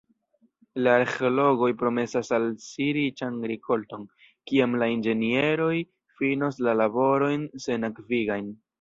La arĥeologoj promesas al si riĉan rikolton, kiam la inĝenieroj finos la laborojn senakvigajn.